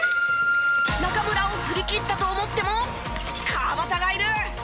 中村を振り切ったと思っても川端がいる。